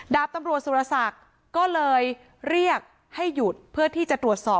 ดาบตำรวจสุรศักดิ์ก็เลยเรียกให้หยุดเพื่อที่จะตรวจสอบ